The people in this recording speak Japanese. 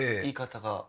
言い方が。